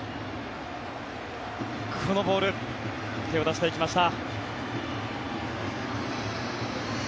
このボール手を出していきました。